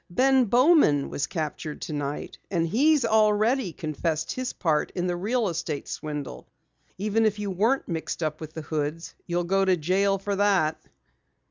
"Ben Bowman was captured tonight, and he's already confessed his part in the real estate swindle. Even if you weren't mixed up with the Hoods, you'd go to jail for that."